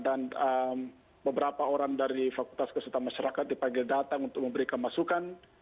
dan ee beberapa orang dari fakultas keselatan masyarakat dipanggil datang untuk memberikan masukan